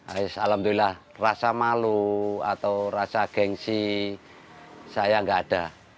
alhamdulillah rasa malu atau rasa gengsi saya nggak ada